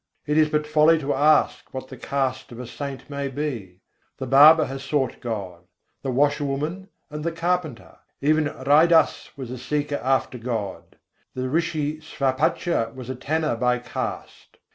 It is but folly to ask what the caste of a saint may be; The barber has sought God, the washerwoman, and the carpenter Even Raidas was a seeker after God. The Rishi Swapacha was a tanner by caste.